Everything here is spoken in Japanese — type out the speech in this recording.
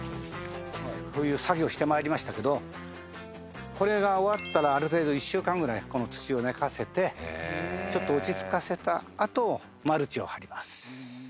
こういう作業して参りましたけどこれが終わったらある程度１週間ぐらいこの土を寝かせてちょっと落ち着かせたあとマルチを張ります。